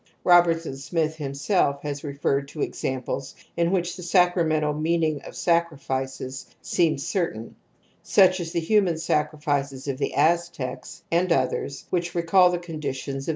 Robertson Smith himself has referred to examples in which the sacramental meaning of sacrifices seems cer tain, such as the hxunan sacrifices of the Aztecs and others which recall the conditions of